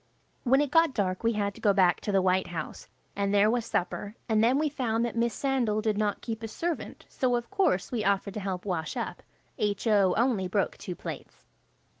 When it got dark we had to go back to the White House, and there was supper, and then we found that Miss Sandal did not keep a servant, so of course we offered to help wash up. H.O. only broke two plates.